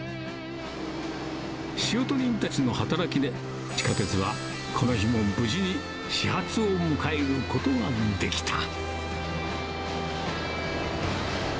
仕事人たちの働きで、地下鉄はこの日も無事、始発を迎えることができた。